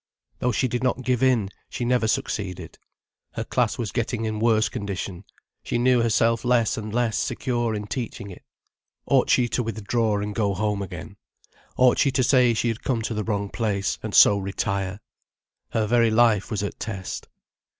Though she did not give in, she never succeeded. Her class was getting in worse condition, she knew herself less and less secure in teaching it. Ought she to withdraw and go home again? Ought she to say she had come to the wrong place, and so retire? Her very life was at test.